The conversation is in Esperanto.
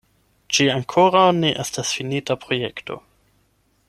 Ĝi ankoraŭ ne estas finita projekto.